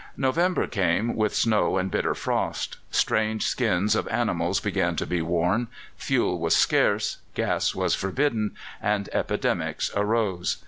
November came, with snow and bitter frost. Strange skins of animals began to be worn; fuel was scarce, gas was forbidden, and epidemics arose.